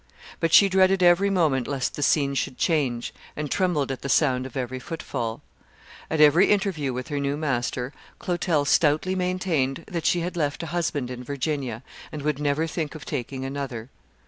But she dreaded every moment lest the scene should change, and trembled at the sound of every footfall. At every interview with her new master Clotel stoutly maintained that she had left a husband in Virginia, and would never think of taking another.